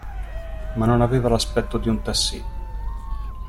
Ma non aveva l'aspetto di un tassì.